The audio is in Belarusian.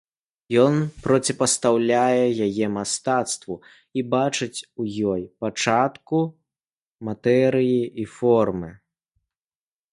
Ён проціпастаўляе яе мастацтву і бачыць у ёй пачатку матэрыі і формы.